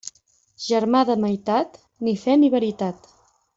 Germà de meitat, ni fe ni veritat.